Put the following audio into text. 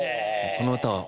この歌を。